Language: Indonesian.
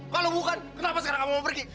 kalau bukan kenapa sekarang kamu pergi